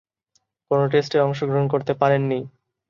কোন টেস্টে অংশগ্রহণ করতে পারেননি।